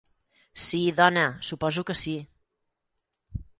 Sí dona, suposo que sí.